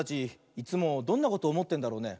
いつもどんなことおもってんだろうね。